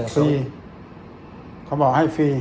ฟรีเขาบอกให้ฟรี